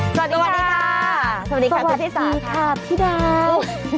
สวัสดีค่ะสวัสดีค่ะคุณธิสาค่ะสวัสดีค่ะพี่ดาว